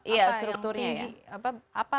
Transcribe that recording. ya strukturnya ya